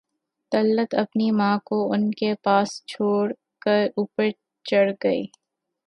طلعت اپنی ماں کو ان کے پاس چھوڑ کر اوپر چڑھ گئی